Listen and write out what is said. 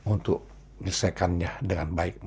untuk menyelesaikannya dengan baik